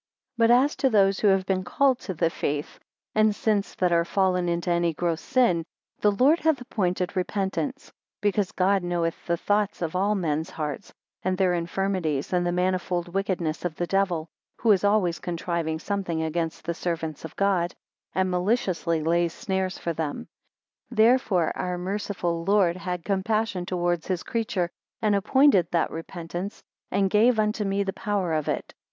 21 But as to those who have been called to the faith, and since that are fallen into any gross sin, the Lord hath appointed repentance, because God knoweth the thoughts of all men's hearts, and their infirmities, and the manifold wickedness of the devil, who is always contriving something against the servants of God, and maliciously lays snares for them. 22 Therefore our merciful Lord had compassion towards his creature, and appointed that repentance, and gave unto me the power of it.